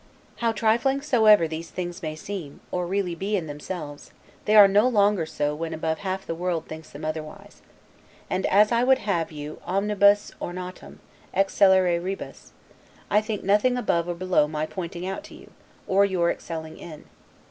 How trifling soever these things may seem, or really be in themselves, they are no longer so when above half the world thinks them otherwise. And, as I would have you 'omnibus ornatum excellere rebus', I think nothing above or below my pointing out to you, or your excelling in.